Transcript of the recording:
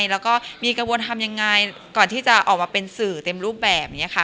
แล้วก็มีกระบวนทำยังไงก่อนที่จะออกมาเป็นสื่อเต็มรูปแบบนี้ค่ะ